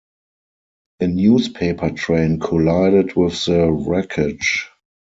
A newspaper train collided with the wreckage.